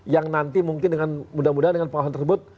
yang nanti mungkin dengan mudah mudahan dengan pengawasan tersebut